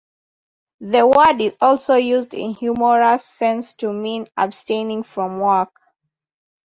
The word is also used in humorous sense to mean abstaining from work.